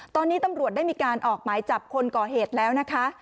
ตอนนี้ตำรวจได้มีการออกหมายจับคนก่อเหตุแล้วนะคะ